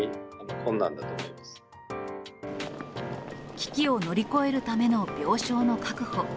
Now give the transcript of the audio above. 危機を乗り越えるための病床の確保。